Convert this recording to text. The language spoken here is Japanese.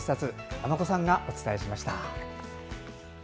尼子さんがお伝えしました。